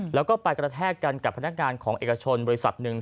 แล้วก็ไปกระแทกกันกับพนักงานของเอกชนบริษัทหนึ่ง